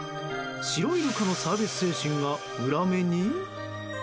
シロイルカのサービス精神が裏目に？